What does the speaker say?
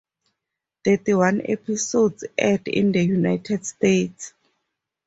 Thirty-one episodes aired in the United States.